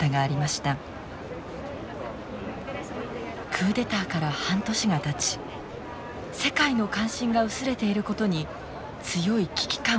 クーデターから半年がたち世界の関心が薄れていることに強い危機感を抱いています。